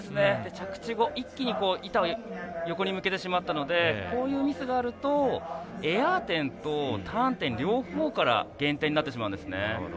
着地後、一気に板を横に向けてしまったのでこういうミスがあるとエア点とターン点両方から減点になってしまうんですね。